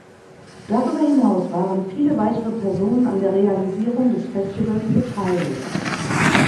Darüber hinaus waren viele weitere Personen an der Realisierung des Festivals beteiligt.